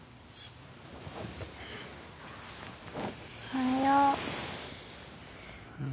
おはよう。